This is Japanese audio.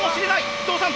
伊藤さん